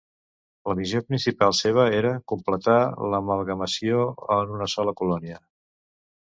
La missió principal seva era completar l'amalgamació en una sola colònia.